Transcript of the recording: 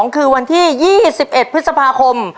คือวันที่๒๑พฤษภาคม